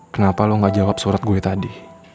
kenapa lo gak jawab surat gue tadi